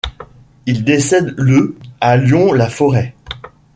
Il décède le à Lyons-la-Forêt.